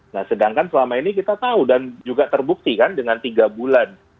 nah sedangkan selama ini kita tahu dan juga terbukti kan dengan tiga bulan